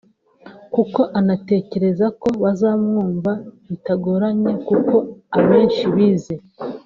kuko anatekereza ko bazamwumva bitagoranye kuko abenshi bize